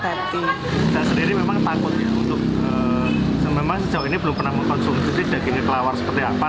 saya sendiri memang takut ya untuk memang sejauh ini belum pernah mengkonsumsi daging kelelawar seperti apa